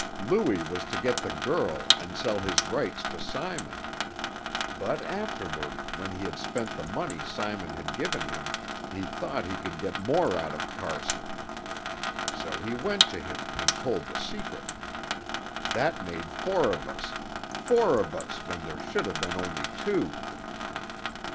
Louis was to get the girl and sell his rights to Simon. But afterward, when he had spent the money Simon had given him, he thought he could get more out of Carson. So he went to him and told the secret. That made four of us four of us, where there should have been only two."